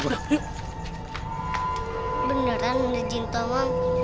beneran ada jintomang